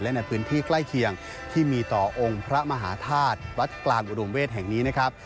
และในพื้นที่ใกล้เคียงที่มีต่อองค์พระมหาธาตุวัดกลางอุดมเวศแห่งนี้นะครับ